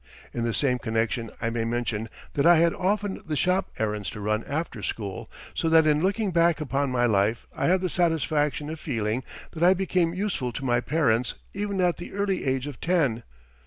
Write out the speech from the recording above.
In the same connection I may mention that I had often the shop errands to run after school, so that in looking back upon my life I have the satisfaction of feeling that I became useful to my parents even at the early age of ten.